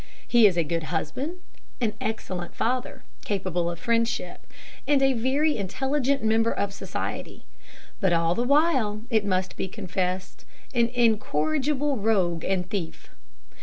He is a good husband, an excellent father, capable of friendship, and a very intelligent member of society; but all the while, it must be confessed, an incorrigible rogue and thief.